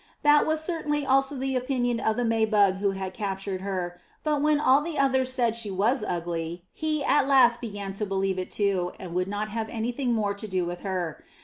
That was certainly 418 UP ONE PAIR OF STAIRS also the opinion of the May bug who had captured her, but when all the others said she was ugly, he at last began to believe it too, and would not have anything more to do with her.